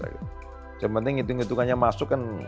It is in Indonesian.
yang penting itu ngitungannya masuk kan